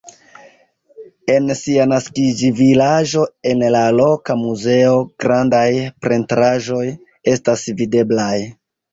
En sia naskiĝvilaĝo en la loka muzeo grandaj pentraĵoj estas videblaj.